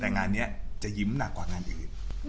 แต่งานนี้จะยิ้มหนักกว่างานอื่น